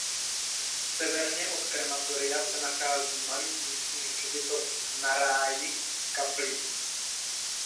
Severně od krematoria se nachází malý místní hřbitov Na Ráji s kaplí.